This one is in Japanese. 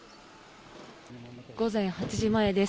午前８時前です。